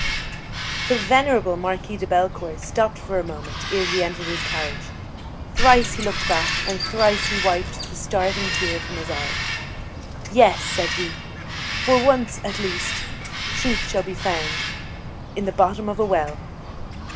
The venerable Marquis de Bellecourt stopped for a moment ere he entered his carriage. Thrice he looked back, and thrice he wiped the starting tear from his eye. "Yes," said he, "for once, at least, truth shall be found in the bottom of a well!"